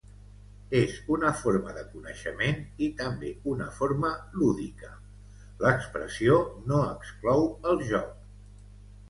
És una forma de coneixement i també una forma lúdica: l'expressió no exclou el joc.